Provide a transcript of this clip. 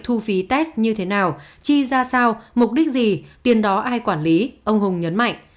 thu phí test như thế nào chi ra sao mục đích gì tiền đó ai quản lý ông hùng nhấn mạnh